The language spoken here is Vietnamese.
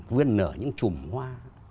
vươn nở những trùm hoa